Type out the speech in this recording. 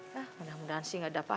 ya mudah mudahan sih gak ada apa apa